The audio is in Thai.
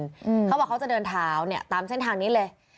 เขาบอกเขาจะเดินเท้าเนี้ยตามเส้นทางนี้เลย